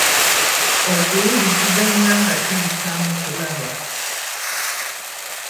Okuwuliziganya nga tuyita mu kulaba.